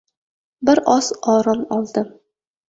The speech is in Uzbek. Bir oz orom oldim.